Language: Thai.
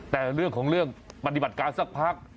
แต่เรื่องของเรื่องปฏิบัติการสักพัก